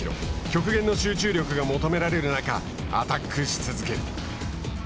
極限の集中力が求められる中アタックし続ける。